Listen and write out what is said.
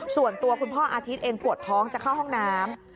ส่วนตัวคุณพ่ออาทิตย์เองปวดท้องจะเข้าห้องน้ำ